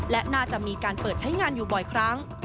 และน่าจะมีการเปิดใช้งานอยู่บ่อยครั้ง